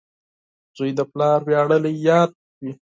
• زوی د پلار ویاړلی یاد وي.